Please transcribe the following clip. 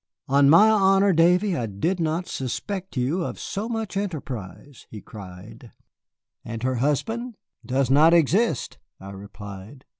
"On my honor, Davy, I did not suspect you of so much enterprise," he cried. "And her husband ?" "Does not exist," I replied.